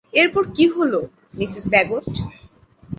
এরপর কি হল, মিসেস ব্যাগট?